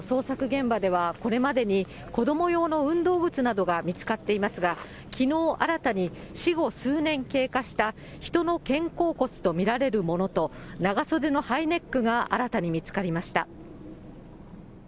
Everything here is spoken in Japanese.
現場では、これまでに子ども用の運動靴などが見つかっていますが、きのう、新たに、死後数年経過した人の肩甲骨と見られるものと、長袖のハイネックが、新たに見つかりました。